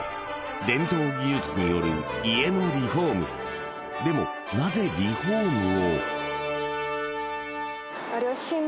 伝統技術による家のリフォームでもなぜリフォームを？